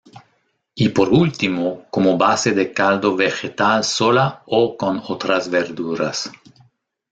Y por último, como base de caldo vegetal sola o con otras verduras.